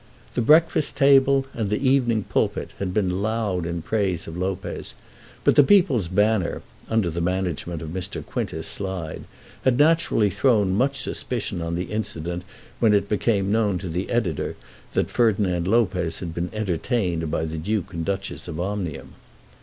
The "Breakfast Table" and the "Evening Pulpit" had been loud in praise of Lopez; but the "People's Banner," under the management of Mr. Quintus Slide, had naturally thrown much suspicion on the incident when it became known to the Editor that Ferdinand Lopez had been entertained by the Duke and Duchess of Omnium.